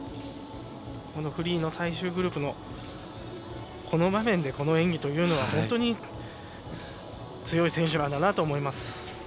このフリーの最終グループのこの場面で、この演技というのは本当に強い選手なんだなと思います。